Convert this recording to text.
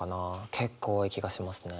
結構多い気がしますね。